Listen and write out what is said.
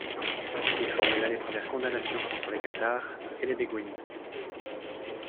Il formula les premières condamnations contre les cathares et les béguines.